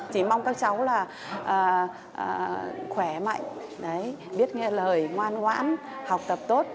chỉ mong các cháu là khỏe mạnh biết nghe lời ngoan ngoãn học tập tốt